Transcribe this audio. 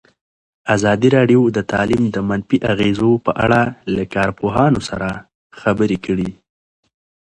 ازادي راډیو د تعلیم د منفي اغېزو په اړه له کارپوهانو سره خبرې کړي.